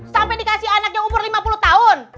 sampai dikasih anak yang umur lima puluh tahun